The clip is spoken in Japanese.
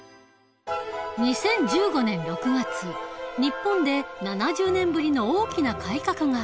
２０１５年６月日本で７０年ぶりの大きな改革があった。